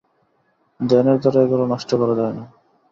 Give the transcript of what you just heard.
ধ্যানের দ্বারা এগুলি নষ্ট করা যায় না।